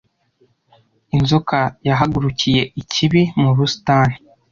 Inzoka yahagurukiye ikibi mu busitani